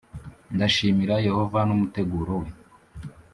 Ndashimira Yehova n’ umuteguro we.